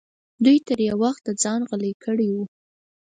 دوی تر یو وخته ځان غلی کړی و.